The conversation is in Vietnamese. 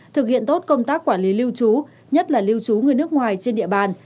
thực hiện tốt công tác quản lý lưu trú nhất là lưu trú người nước ngoài trên địa bàn